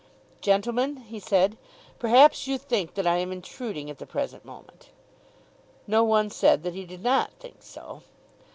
"Gentlemen," he said, "perhaps you think that I am intruding at the present moment." No one said that he did not think so.